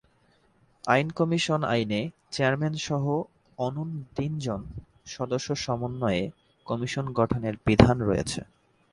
আইন কমিশন আইনে চেয়ারম্যানসহ অন্যূন তিন জন সদস্য সমন্বয়ে কমিশন গঠনের বিধান রয়েছে।